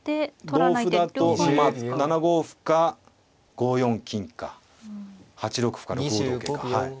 同歩だと７五歩か５四金か８六歩か６五同桂かはい。